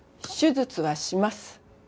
手術はします。